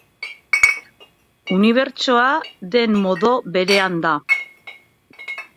Unibertsoa den modo berean da.